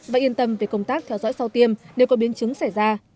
và yên tâm về công tác theo dõi sau tiêm nếu có biến chứng xảy ra